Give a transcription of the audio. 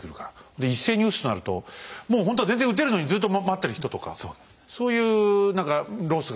で一斉に撃つとなるともうほんとは全然撃てるのにずっと待ってる人とかそういう何かロスが出てきちゃうわね。